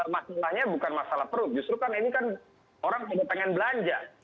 masalahnya bukan masalah perut justru kan ini kan orang hanya pengen belanja